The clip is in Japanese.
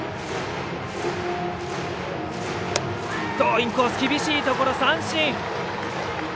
インコース、厳しいところ三振。